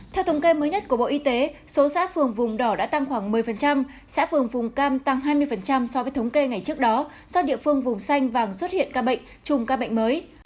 theo thống kê mới nhất của bộ y tế số xã phường vùng đỏ đã tăng khoảng một mươi xã phường vùng cam tăng hai mươi so với thống kê ngày trước đó do địa phương vùng xanh vàng xuất hiện ca bệnh chùm ca bệnh mới